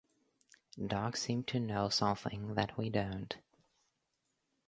Dogs seem to know something that we don't.